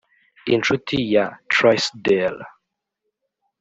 inshuti ya trysdale,